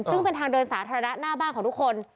ซึ่งเป็นทางเดินสาธารณะหน้าบ้านของทุกคน